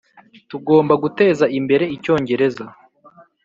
tugomba guteza imbere icyongereza